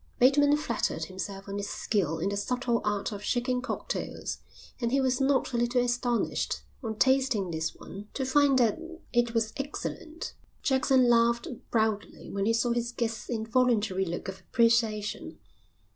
Bateman flattered himself on his skill in the subtle art of shaking cocktails and he was not a little astonished, on tasting this one, to find that it was excellent. Jackson laughed proudly when he saw his guest's involuntary look of appreciation.